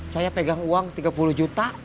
saya pegang uang tiga puluh juta